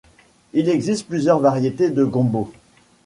Il existe plusieurs variétés de gombo.